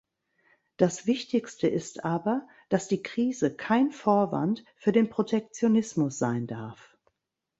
Das Wichtigste ist aber, dass die Krise kein Vorwand für den Protektionismus sein darf.